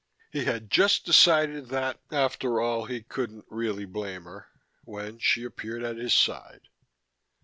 He had just decided that, after all, he couldn't really blame her, when she appeared at his side.